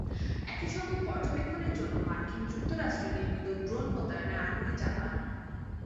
একই সঙ্গে পর্যবেক্ষণের জন্য মার্কিন যুক্তরাষ্ট্রে নির্মিত ড্রোন মোতায়েনে আগ্রহী জাপান।